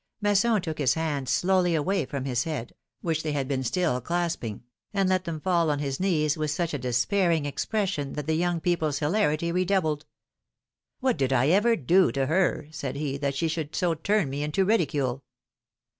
Masson took his hands slowly away from his head, which they had been still clasping, and let them fall on his knees with such a despairing expression that the young people's hilarity redoubled. What did I ever do to her," said he, that she should so turn me into ridicule?"